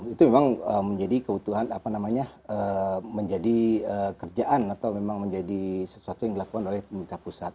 itu memang menjadi kebutuhan apa namanya menjadi kerjaan atau memang menjadi sesuatu yang dilakukan oleh pemerintah pusat